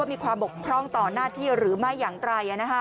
มีความบกพร่องต่อหน้าที่หรือไม่อย่างไร